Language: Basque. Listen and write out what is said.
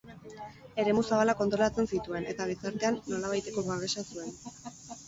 Eremu zabalak kontrolatzen zituen eta gizartean nolabaiteko babesa zuen.